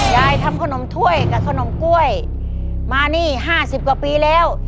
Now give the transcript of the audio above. ยายทำขนมถ้วยกับขนมกล้วยมานี่๕๐กว่าปีแล้ว